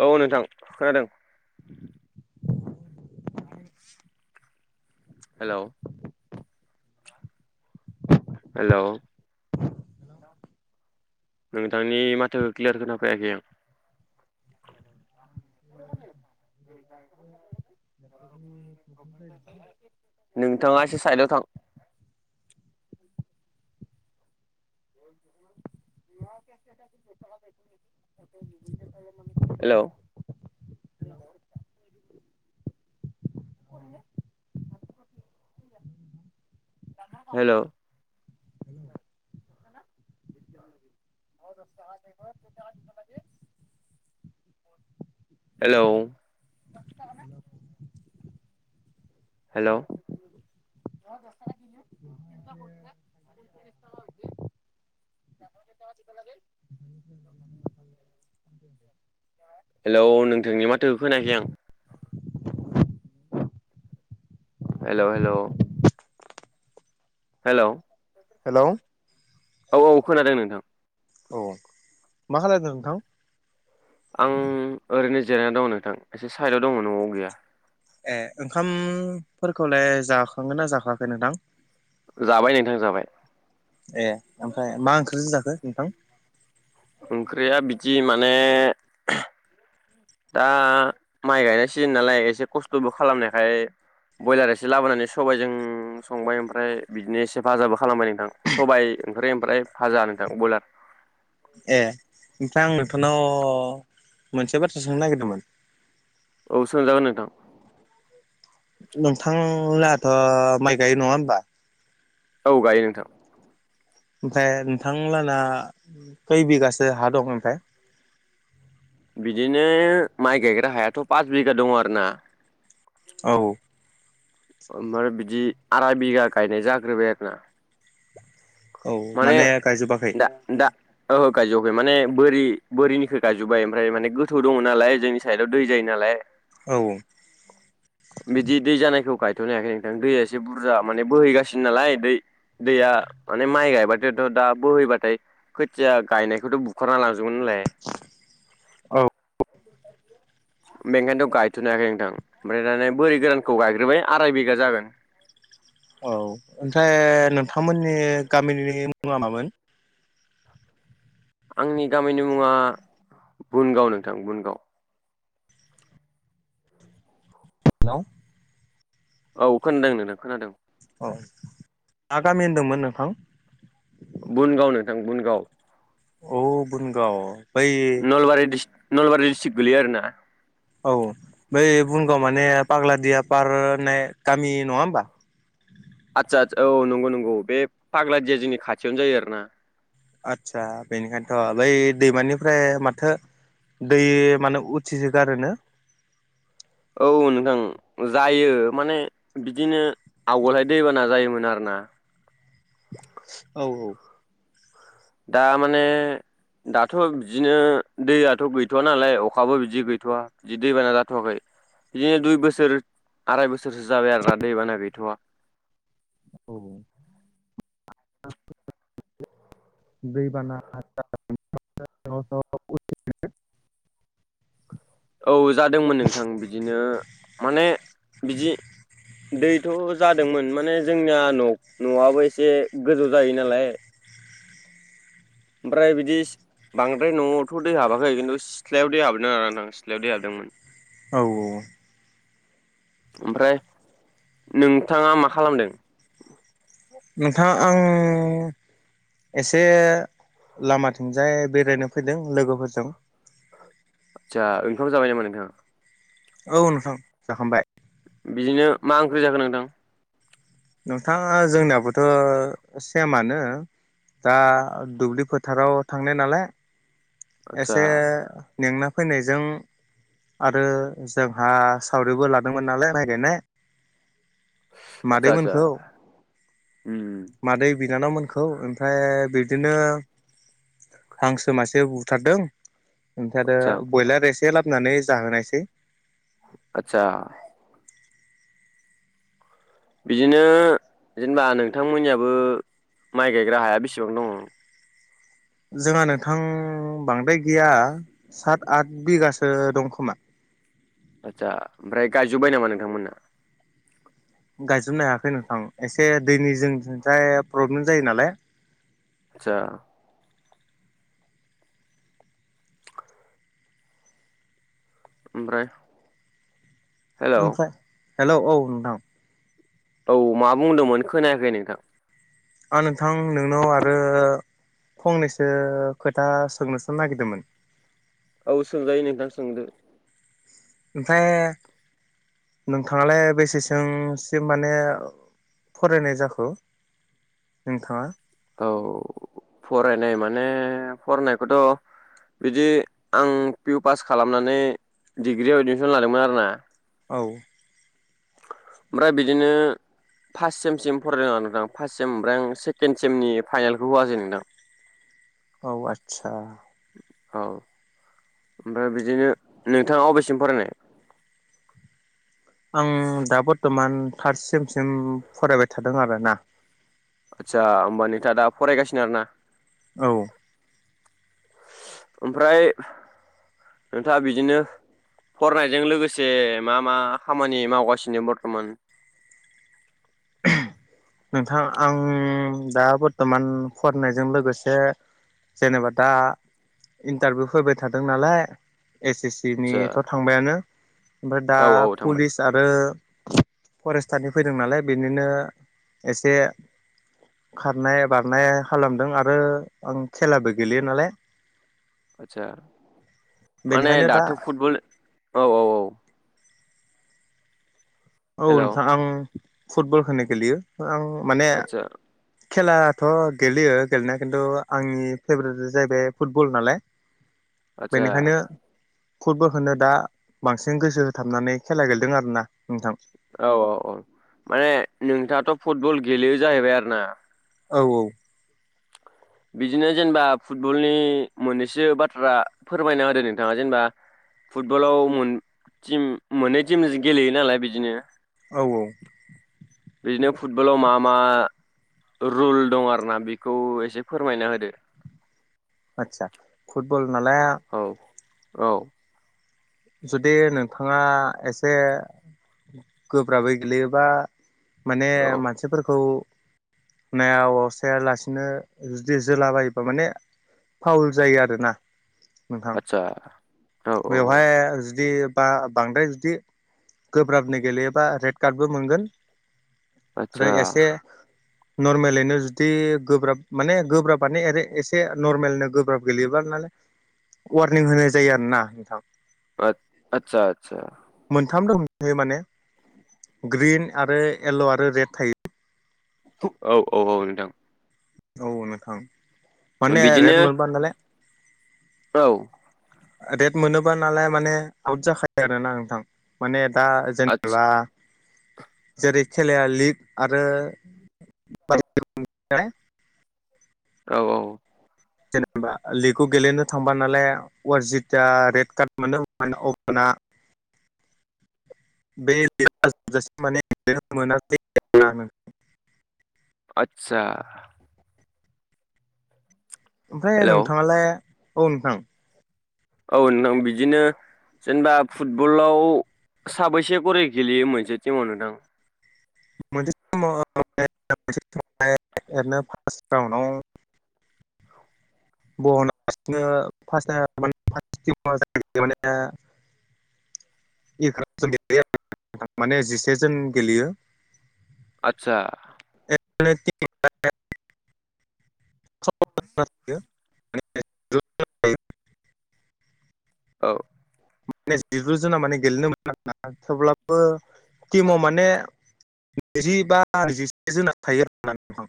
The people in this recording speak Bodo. औ नोंथां खोनादों [inaudible] [unintelligible] हेलौ हेलौ नोंथांनि माथोखौ क्लियार खोना फैयाखै आं [unintelligible] [inaudible] [inaudible] [unintelligible] नोंथाङा एसे साइदआव थां [inaudible] [unintelligible] [inaudible] हेलौ [inaudible] हेलौ औ [unintelligible] [inaudible] [unintelligible] hello hello [inaudible] [unintelligible] [inaudible] [unintelligible] hello hello hello [unintelligible] [inaudible] [unintelligible] [inaudible] hello नोंथांनि माथो खोनाखै आं हेलौ हेलौ हेलौ हेलौ औ औ खोनादों नोंथां औ मा खालामदों नोंथां? आं ओरैनो जिरायना दङ नोंथां एसे साइदआव दङ न'आव गैया ए ओंखामफोरखौलाय जाखांगोन ना जाखाखै नोंथां? जाबाय नोंथां जाबाय ए ओमफ्राय मा ओंख्रि जो जाखो नोंथां ओंख्रिया बिदि माने दा माइ गायनाय सिजोन नालाय एसे खस्थ'बो खालामनायखाय ब्रयलार एसे लाबोनानै सबाइजों संबाय ओमफ्राय बिदिनोसेफाजाबो खालामबाय नोंथां सबायाइ बेनिफ्राय ओमफ्राय फाजा नोंथां ब्रयलार [inaudible] ए ओमफ्राय आं नोंथांनाव मोनसे बाथ्राो सोंनो नागिरदोंमोन औ सोंजागोन नोंथां नोंथांनाथ' माइ गायो नङा हबा औ गायो नोंथां ओमफफ्राय नोंथांलाना खै बिगासो हा दं ओमफाय बिदिनो माइ गायग्रा हायाथ' पास बिगा दङ आर ना औ ओमफ्राय बिदि आराय बिघा गायनाय जाग्रोबाय आरोना औ माने गायजोबाखै दा दा गायजखों माने बोरि बोरिनिखौ गायजोबबाय ओमफ्राय माने गोथौ दङ नालाय जोंनि साइदआव दै जायो नालाय औ बिदि दै जानोा ख खााय [unintelligible] नोंथां दैया एसे बुरजा माने बोहैगासिनो नालाय दै दैया म माइ गायबाथायथ दा बोहैबाथाय खोथिया गायनायखौथ' बुखारना लां जुनलाय औ बेंखायनोथ' गायथ'नो हायाखै नोंथां ओमफ्राय दाने बोरै गोरानखौ गायग्रोबाय आराय बिघा जागोन [inaudible] औ ओमफ्राय नोंथांमोननि गामिनि मुङा मामोन? आंनि गामिनि मुङा बुनगाव नोंथां बुनगाव [unintelligible] औ खोनादों नों खोनादों मा गामि होनदोंमोन नोंथां? बुनगाव नोंथां बुनगाव औ बुनगाव बै नलबारि नलबारि डिस्ट्रिक गोलैयो आरोना? औ बै बुनगाव माने पाग्लादिया पार होननाय गामि नङा होमबा? आदसा आदसा औ नंगौ नंगौ बे फाग्लादिया जोंनि खाथियावनो जायो आरोना। आदसा बेनिखायनोथ' बै दैमानिफ्राय माथो दै माने उथिसो गारोनो? औ नोंथां जायो माने बिदिनो आवगोलहाय दैबाना जायोमोन आरोना। ओं औ औ। दा माने दाथ' बिदिनो दैयाथ' गैथ'व नालाय अखाबो बिदि गैथ'वा बिदि दैबाना जाथ'वाखै। बिदिनो दुइ बोसोर आराय बोसोरसो जाबाय आरोना दैबाना गैथ'वा। औ औ। आ [unintelligible] दैबाना [unintelligible] [inaudible] औ जादोंमोन नोंथां बिदिनो माने बिदि दैथ' जादोंमोन माने जोंनिया न' न'आबो एसे गोजौ जायो नालाय। [unintelligible] ओमफ्राय बिदि बांद्राय न'आवथ' दै हाबाखै खिन्थु सिथ्लायाव दै हाबदों आरां सिथ्लायाव दै हाबदों। औ औ। ओमफ्राय नोंथाङा मा खालामदों? नोंथां आं एसे लामाथिंजाय बेरायनो फैदों लोगोफोरजों। आदसा ओंखाम जाबाय नामा नोंथाङा? औ नोंथां जाखांबाय। बिदिनो मा ओंख्रि जाखो नोंथां? नोंथाङा जोंनियाबोथ' सेमानो। दा दुब्लि फोथाराव थांनाय नालाय आदसा एसे मेंना फैनायजों आरो जोंहा सावरिबो लादोंमोन नालाय रायलायनाय। आदसा आदसा मादैमोनखौ उम मादै बिनानावमोनखौ ओमफ्राय बिदिनो हांसो मासे मासे बुथारदों ओमफ्राय आरो आदसा ब्रयलार एसे लाबोनानै जाहोनायसै। आतसा बिदिनो जेनेबा नोंथांमोननियाबो माइ गायग्रा हाया बेसेबां दङ? जोंहा नोंथां बांद्राय गैया सात आथ बिगासो दं खोमा। आदसा ओमफ्राय गायजोब्बाय नामा नोंथांमोनहा? गायजोबनो हायाखै नोंथां एसे दैनि जोंनिथिंजाय प्रब्लेम जायो नालाय। आतसा। ओमफ्राय? हेलौ ओमफ्राय हेल' औ नोंथां। औ मा बुंदोंमोन खोनायाखै नोंथां? औ नोंथां नोंनाव आरो फंनैसो खोथा सोंनोसो नागिरदोंमोन। औ सोंजायो नोंथां सोंदो। ओमफ्राय नोंथाङालाय बेसेसोसिम माने फरायनाय जाखो नोंथाङा? औ फरायनाय माने फरायनायखौथ' बिदि आं पि इउ पास खालामनानै डिग्रियाव एडमिसन लादोंमोन आरोना। औ। ओमफ्राय बिदिनो। फार्स्ट सेमसिम फरायदों आं नोंथां फार्स्ट सेम ओमफ्राय आं सेकेण्ड सेमनि फाइनेलखौ होआसै नोंथां। औ आतसा। औ। ओमफ्राय बिदिनो नोंथाङा अबेसिम फरायनाय। आं दा बर्थमान थार्ड सेमसिम फरायबाय थादों आरो ना। आदसा होमबा नोंथाङा दा फरायगासिनो आरोना। औ। ओमफ्राय नोंथाङा बिदिनो। फरायनायजों लोगोसे मा मा खामानि मावगासिनो बरत'मान। [inaudible] नोंथां आं दा बर्तमान फरायनायजों लोगोसे जेनेबा दा इन्टारभिउ फैबाय थादों नालाय। एस एस सि आदसा निथ' थांबायानो ओमफ्राय दा औ औ थांबाय पुलिस आरो फरेस्टारनि फैदों नालाय बेनिनो एसे खारनाय बारनाय खालामदों आरो आं खेलाबो गेलेयो नालाय। आतसा माने बेनिखायनो दा दाथ' फुटबल औ औ औ। औ हेल' नोंथां आं फुटबलखोनो गेलेयो आं माने आदसा खेलाथ' गेलेयो गेलेनाया खिन्थु आंनि फेभरेटा जाहैबाय फुटबल नालाय। आदसा बेनिखायनो फुटबलखौनो दा बांसिन गोसो होथाबनानै खेला गेलेदों आरो ना। औ औ औ माने नोंथाङाथ' फुटबल गेलेयो जाहैबाय आरोना। औ औ। बिदिनो जेनेबा फुटबलनि मोननैसो बाथ्रा फोरमायना होदो नोंथाङा जेनेबा फुटबलाव मोन टिम मोननै टिमजों गेलेयो नालाय बिदिनो औ औ। बिदिनो फुटबलाव मा मा रुल दं आरो ना बेखौ एसे फोरमायना होदो। आतसा फुटबल नालाय औ औ। जुदि नोंथाङा एसे गोब्राबै गेलेयोबा माने औ मानसिफोरखौ नाया हसायालासिनो जुदि जोलाबायोबा माने फाउल जायो आरोना नोंथां आतसा औ औ बेवावहाय जुदि बा बांद्राय जुदि गोब्राबनो गेलेयोबा रेड कार्डबो मोनगोन। आरो आतसा एसे नर्मेलैनो जुदि गोब्राब माने गोब्राबानो एसे नर्मेलनो गोब्राब गेलेयोबा नालाय वारनिं होनाय जायो आरो ना नोंथां। आ आतसा आतसा मोनथाम दंयो माने ग्रिन आरो येल्ल' आरो रेड थायो। औ औ औ नोंथां। औ नोंथां माने रेद बिदिनो मोनबा नालाय। औ रेट मोनोबा नालाय माने आउट जाखायो आरोना नोंथां माने दा जेनेबा आतसा जेरै खेलाया लिग आरो औ औ। जेनेबा लिगखौ गेलेनो थांबा नालाय अरजितआ रेड कार्ड मोनो अब्लाना [unintelligible] [inaudible] बे लजासेम माने मोनासै [unintelligible] [inaudible] आतसा। ओमफ्राय हेलौ नोंथाङालाय औ नोंथां। औ नोंथां बिदिनो जेनेबा फुटबलाव साबैसे खरि गेलेयो मोनसे टिमाव नोंथां? मोनसे समाव [unintelligible] बना लासिनो फास माने [unintelligible] ए गेले [unintelligible] माने जिसे जोन गेलेयो आतसा। [unintelligible] [unintelligible] औ। माने [unintelligible] गेलेनो मोनो आरोना थेवब्लाबो टिमाव माने नैजि बा नैजिसे जोनानै थायो आरोना